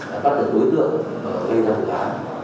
đã bắt được đối tượng gây ra vụ án